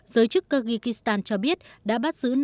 giới chức kyrgyzstan cho biết đã bắt giữ